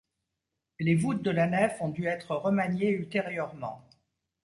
Les voûtes de la nef ont dû être remaniées ultérieurement.